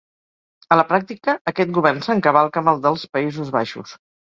A la pràctica, aquest govern s'encavalca amb el dels Països Baixos.